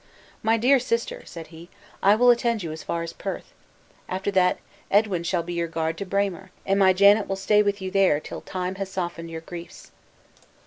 "My dear sister," said he, "I will attend you as far as Perth. After that, Edwin shall be your guard to Braemar, and my Janet will stay with you there till time has softened your griefs."